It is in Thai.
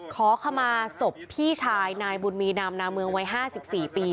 ขอขมาศพพี่ชายนายบุญมีนามนาเมืองวัย๕๔ปี